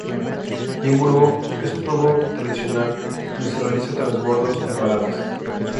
Limburgo es un pueblo tradicional donde se realizan transbordos y paradas.